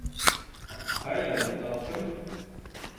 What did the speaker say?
Ҡайҙан... таптың?